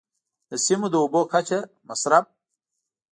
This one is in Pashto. د سیمو د اوبو کچه، مصرف.